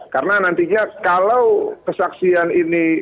karena nantinya kalau kesaksian ini